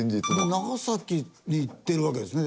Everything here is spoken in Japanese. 長崎に行ってるわけですね。